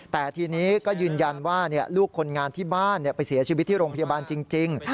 แต่ทีนี้ก็ยืนยันว่าลูกคนงานที่บ้านไปเสียชีวิตที่โรงพยาบาลจริง